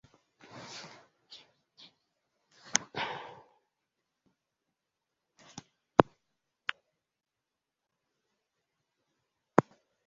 kuanzisha uzoefu wa matumizi ya dawa ya kulevya Kwa kuchangia